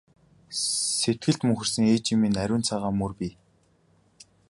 Сэтгэлд мөнхөрсөн ээжийн минь ариун цагаан мөр бий!